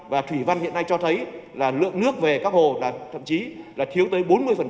và thủy văn hiện nay cho thấy là lượng nước về các hồ là thậm chí là thiếu tới bốn mươi